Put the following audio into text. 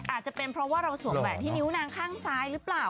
อาจจะเป็นเพราะว่าเราสวมแหวนที่นิ้วนางข้างซ้ายหรือเปล่า